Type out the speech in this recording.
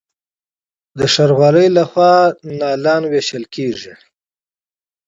د ښاروالۍ لخوا نیالګي ویشل کیږي.